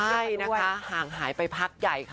ใช่นะคะห่างหายไปพักใหญ่ค่ะ